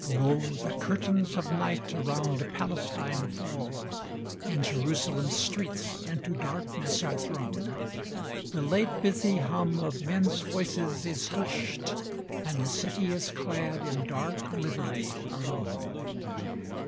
Lo the curtains of night around Palestine fall, And Jerusalem's streets into darkness are thrown; The late busy hum of men's voices is hushed, And the city is clad in dark livery alone.